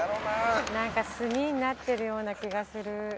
なんか済になってるような気がする。